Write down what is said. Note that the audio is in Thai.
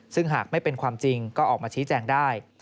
ซึ่งหากไม่เป็นความจริงก็ออกมาชี้แจงได้